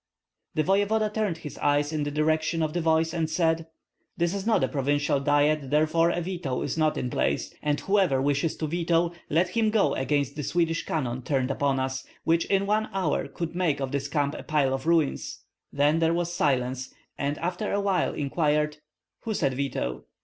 The voevoda turned his eyes in the direction of the voice and said: "This is not a provincial diet, therefore a veto is not in place. And whoever wishes to veto let him go against the Swedish cannon turned upon us, which in one hour could make of this camp a pile of ruins." Then he was silent, and after a while inquired, "Who said Veto?"